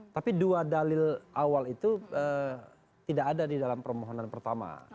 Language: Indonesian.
tapi dua dalil awal itu tidak ada di dalam permohonan pertama